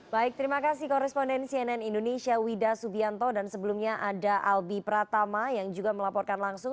baik terima kasih koresponden cnn indonesia wida subianto dan sebelumnya ada albi pratama yang juga melaporkan langsung